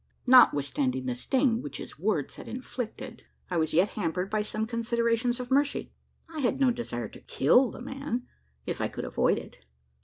Notwithstanding the sting which his words had inflicted, I was yet hampered by some considerations of mercy. I had no desire to kill the man, if I could avoid it.